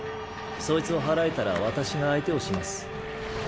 そいつを祓えたら私が相手をします。